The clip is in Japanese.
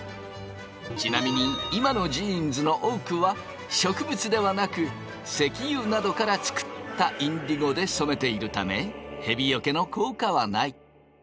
ちなみに今のジーンズの多くは植物ではなく石油などから作ったインディゴで染めているためへびよけの効果はない。